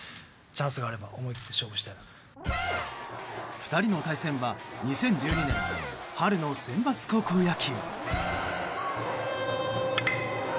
２人の対戦は２０１２年春のセンバツ高校野球。